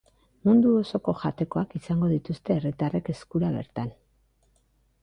Mundu osoko jatekoak izango dituzte herritarrek eskura bertan.